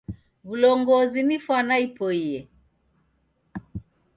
Wulongozi ni fwana ipoiye.